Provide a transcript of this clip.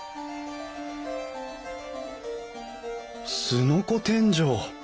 すのこ天井！